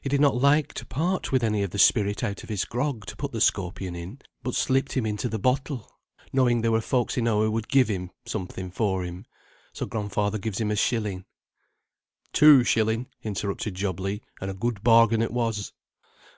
He did not like to part with any of the spirit out of his grog to put the scorpion in, but slipped him into the bottle, knowing there were folks enow who would give him something for him. So grandfather gives him a shilling." "Two shilling," interrupted Job Legh, "and a good bargain it was."